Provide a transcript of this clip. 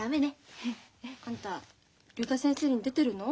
あんた竜太先生に出てるの？